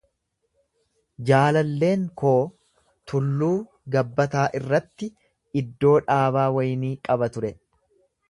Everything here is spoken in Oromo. Jaallalleen koo tulluu gabbataa irratti iddoo dhaabaa waynii qaba ture.